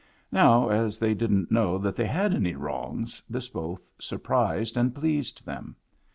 Now, as they didn't know that they had any wrongs, this both surprised and pleased them.